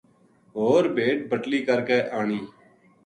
ہو ر بھیڈ بٹلی کر کہ آنی